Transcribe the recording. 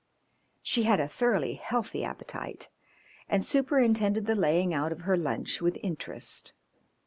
She had a thoroughly healthy appetite, and superintended the laying out of her lunch with interest.